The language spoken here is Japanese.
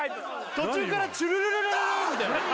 途中からトゥルルルルみたいなイタ！